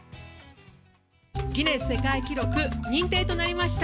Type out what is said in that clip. ギネス世界記録認定となりました。